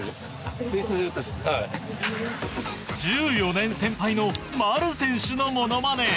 １４年先輩の丸選手のモノマネ。